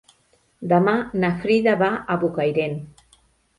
Demà na Frida va a Bocairent.